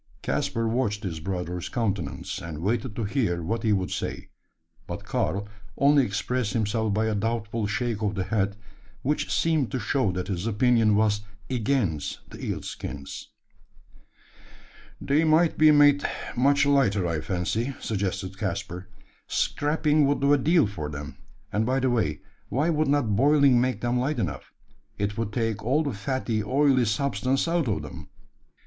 Caspar watched his brother's countenance, and waited to hear what he would say; but Karl only expressed himself by a doubtful shake of the head, which seemed to show that his opinion was against the eel skins. "They might be made much lighter, I fancy," suggested Caspar: "scraping would do a deal for them; and by the way, why would not boiling make them light enough? It would take all the fatty, oily substance out of them."